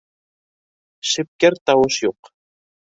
Шипкерт тауыш юҡ.